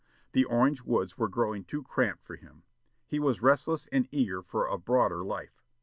The Orange woods were growing too cramped for him. He was restless and eager for a broader life.